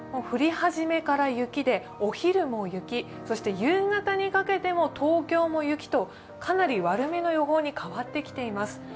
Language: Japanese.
降り始めから雪で、お昼も雪、そして夕方にかけても東京も雪と、かなり悪めの予報に変わってきています。